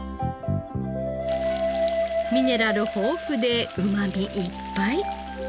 ミネラル豊富でうまみいっぱい。